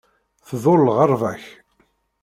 Tḍul lɣerba-k.